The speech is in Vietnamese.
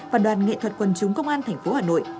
và đoàn nghệ thuật quần chúng công an tp hà nội